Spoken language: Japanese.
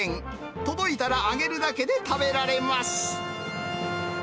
届いたら揚げるだけで食べられます。